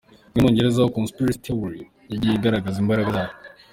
Zimwe mu ngero z’aho “ Conspiracy Theory” yagiye igaragaza imbaraga zayo .